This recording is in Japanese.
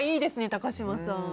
高嶋さん。